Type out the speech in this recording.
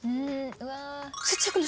うわ。